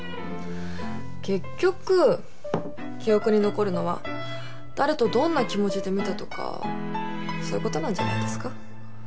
結局記憶に残るのは誰とどんな気持ちで見たとかそういう事なんじゃないですか？